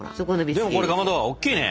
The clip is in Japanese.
でもこれかまどおっきいね。